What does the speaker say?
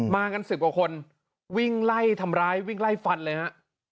มากัน๑๐กว่าคนวิ่งไล่ทำร้ายวิ่งไล่ฟันเลยฮะ